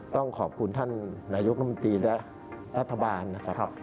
ต้องขอบคุณท่านนายกรรมตรีและรัฐบาลนะครับ